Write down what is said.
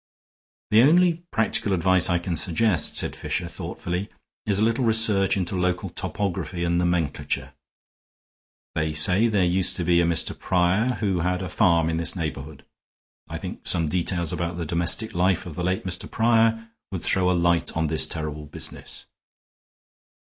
"The only practical advice I can suggest," said Fisher, thoughtfully, "is a little research into local topography and nomenclature. They say there used to be a Mr. Prior, who had a farm in this neighborhood. I think some details about the domestic life of the late Mr. Prior would throw a light on this terrible business."